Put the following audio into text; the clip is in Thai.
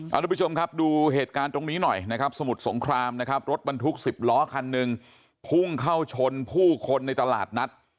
ทุกผู้ชมครับดูเหตุการณ์ตรงนี้หน่อยนะครับสมุทรสงครามนะครับรถบรรทุก๑๐ล้อคันหนึ่งพุ่งเข้าชนผู้คนในตลาดนัด